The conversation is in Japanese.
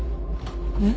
えっ？